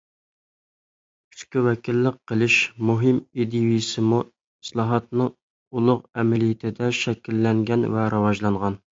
‹‹ ئۈچكە ۋەكىللىك قىلىش›› مۇھىم ئىدىيەسىمۇ ئىسلاھاتنىڭ ئۇلۇغ ئەمەلىيىتىدە شەكىللەنگەن ۋە راۋاجلانغان.